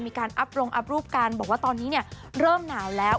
อัพลงอัพรูปกันบอกว่าตอนนี้เนี่ยเริ่มหนาวแล้ว